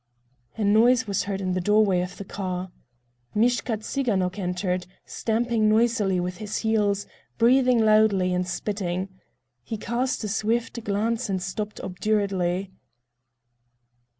A noise was heard in the doorway of the car. Mishka Tsiganok entered, stamping noisily with his heels, breathing loudly and spitting. He cast a swift glance and stopped obdurately.